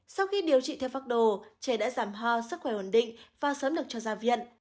sau khi điều trị theo pháp đồ trẻ đã giảm ho sức khỏe ổn định và sớm được cho ra viện